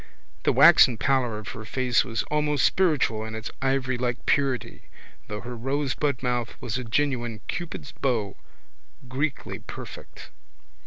The waxen pallor of her face was almost spiritual in its ivorylike purity though her rosebud mouth was a genuine Cupid's bow, Greekly perfect.